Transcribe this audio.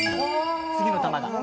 次の球が。